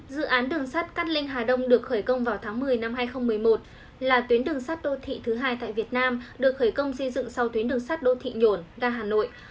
dự án đường sắt cát linh hà đông được khởi công vào tháng một mươi năm hai nghìn một mươi một là tuyến đường sắt đô thị thứ hai tại việt nam được khởi công xây dựng sau tuyến đường sắt đô thị nhổn ga hà nội